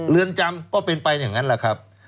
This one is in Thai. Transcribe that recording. เรือนจำก็เป็นไปอย่างนั้น